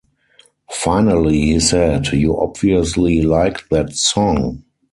Finally he said, 'You obviously like that song.